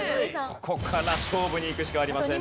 ここから勝負にいくしかありません。